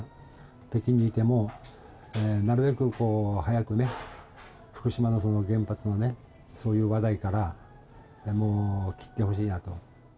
北京にいても、なるべく早くね、福島の原発のそういう話題から、もう切ってほしいなと。